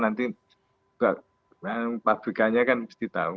dan rupa rupa nanti pabrikannya kan mesti tahu